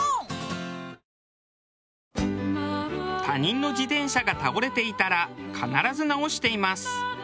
他人の自転車が倒れていたら必ず直しています。